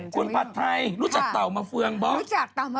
คุณผัดไทยรู้จักเต่ามะเฟืองบ้าง